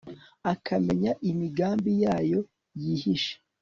akamenya imigambi yayo yihishe